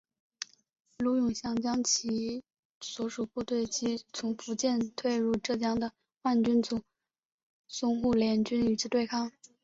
卢永祥则将其所属部队及从福建退入浙江的皖军组成淞沪联军与之对抗。